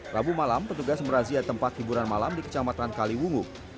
rabu malam petugas merazia tempat hiburan malam di kecamatan kaliwungu